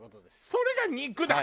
それが肉だ！